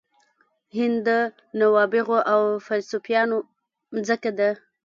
هند د نوابغو او فیلسوفانو مځکه ده.